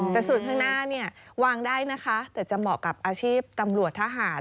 แต่ส่วนข้างหน้าเนี่ยวางได้นะคะแต่จะเหมาะกับอาชีพตำรวจทหาร